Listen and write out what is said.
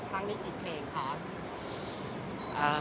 ทางนี้กี่เพลงคะ